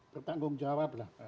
bertanggung jawab lah